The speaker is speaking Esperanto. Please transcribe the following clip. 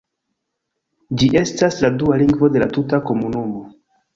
Ĝi estas la dua lingvo de la tuta komunumo.